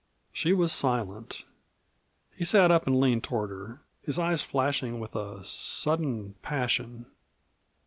She was silent. He sat up and leaned toward her, his eyes flashing with a sudden passion.